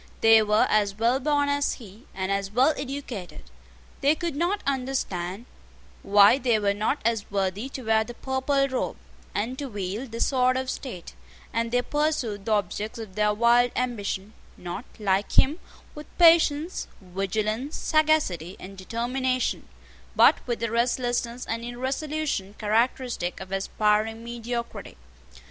They were as well born as he, and as well educated: they could not understand why they were not as worthy to wear the purple robe, and to wield the sword of state; and they pursued the objects of their wild ambition, not, like him, with patience, vigilance, sagacity, and determination, but with the restlessness and irresolution characteristic of aspiring mediocrity.